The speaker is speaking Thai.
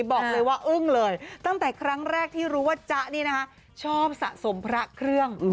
บอกเลยว่าอึ้งเลยตั้งแต่ครั้งแรกที่รู้ว่าจ๊ะนี่นะคะชอบสะสมพระเครื่อง